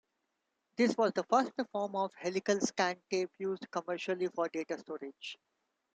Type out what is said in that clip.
This was the first form of helical scan tape used commercially for data storage.